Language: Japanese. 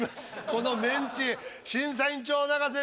この「メンチ」審査委員長泣かせ。